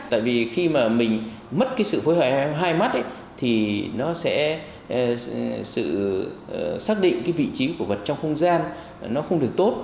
tại vì khi mà mình mất cái sự phối hợp hai mắt thì nó sẽ xác định cái vị trí cổ vật trong không gian nó không được tốt